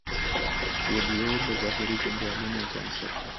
کویلیو له ظاهري جنجالونو ځان ساتي.